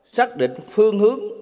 xác định phương hướng